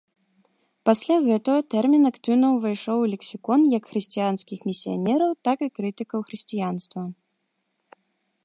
Пасля гэтага тэрмін актыўна ўвайшоў у лексікон, як хрысціянскіх місіянераў, так і крытыкаў хрысціянства.